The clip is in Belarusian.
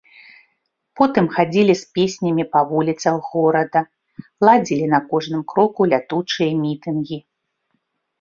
Потым хадзілі з песнямі па вуліцах горада, ладзілі на кожным кроку лятучыя мітынгі.